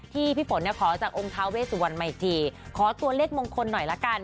ที่พี่ฝนขอจากองค์ทาเวสสุวรรณใหม่ทีขอตัวเลขมงคลหน่อยละกัน